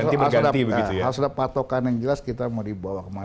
tapi harus ada patokan yang jelas kita mau dibawa kemana